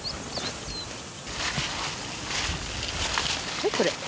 はいこれ。